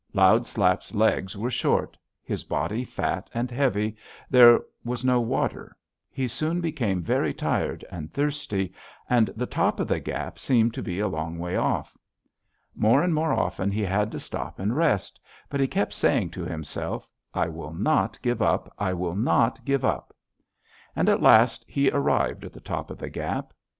Loud Slap's legs were short; his body fat and heavy; there was no water; he soon became very tired and thirsty, and the top of the gap seemed to be a long way off. More and more often he had to stop and rest, but he kept saying to himself: 'I will not give up! I will not give up!' and at last he arrived at the top of the gap.